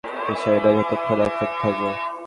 আমরা কী খাই, কী চালাই, এসব বিষয় না, যতক্ষন একসাথে থাকব।